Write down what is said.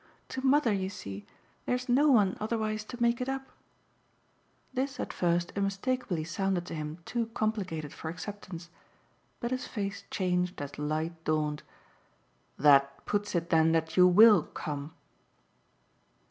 To mother, you see, there's no one otherwise to make it up." This at first unmistakeably sounded to him too complicated for acceptance. But his face changed as light dawned. "That puts it then that you WILL come?"